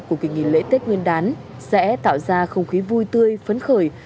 của kỳ nghỉ lễ tết nguyên đán sẽ tạo ra không khí vui tươi phấn khởi